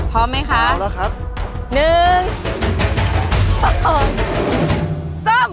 พร้อมไหมคะพร้อมแล้วครับ